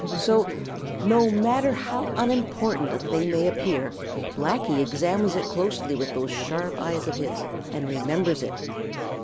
So, no matter how unimportant a thing may appear, Blacky examines it closely with those sharp eyes of his and remembers it.